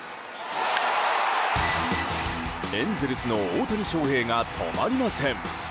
エンゼルスの大谷翔平が止まりません。